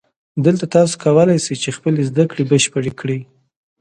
دلته تاسو کولای شئ چې خپلې زده کړې بشپړې کړئ